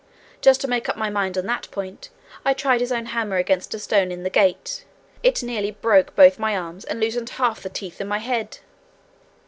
Just to make up my mind on that point I tried his own hammer against a stone in the gate; it nearly broke both my arms, and loosened half the teeth in my head!'